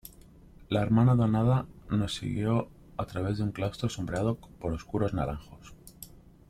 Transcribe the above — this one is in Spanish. la hermana donada nos guió a través de un claustro sombreado por oscuros naranjos.